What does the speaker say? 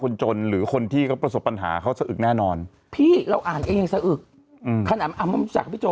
คนจนหรือคนที่เขาประสบปัญหาเขาสะอึกแน่นอนพี่เราอ่านเองยังสะอึกอืมขนาดพี่โจ